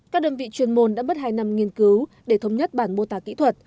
các đơn vị chuyên môn đã mất hai năm nghiên cứu để thống nhất bản mô tả kỹ thuật